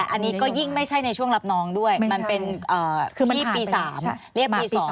อันนี้ก็ยิ่งไม่ใช่ในช่วงรับน้องด้วยมันเป็นคือที่ปี๓เรียกปี๒